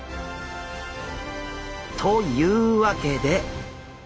というわけで。